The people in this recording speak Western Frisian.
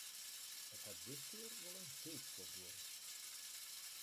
It hat diskear wol in heel skoft duorre.